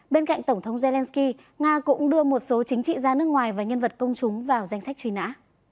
bên cạnh tổng thống zelensky nga cũng đưa một số chính trị gia nước ngoài và nhân vật công chúng vào danh sách truy nã